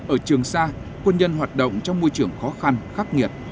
ở trường sa quân nhân hoạt động trong môi trường khó khăn khắc nghiệt